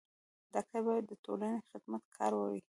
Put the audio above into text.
ډاکټر بايد د ټولني خدمت ګار وي.